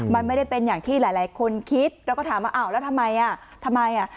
มันไม่ได้เป็นอย่างที่หลายคนคิดแล้วก็ถามว่าอ้าวแล้วทำไมอ่ะทำไมอ่ะ